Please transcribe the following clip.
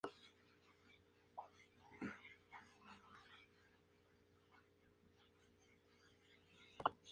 Una vez que el cultivo comienza a crecer tendrá que alimentarlo.